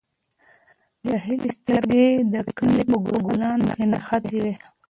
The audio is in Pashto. د هیلې سترګې د قالینې په ګلانو کې نښتې وې.